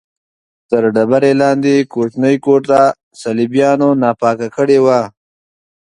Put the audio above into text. تر ډبرې لاندې کوچنۍ کوټه صلیبیانو ناپاکه کړې وه.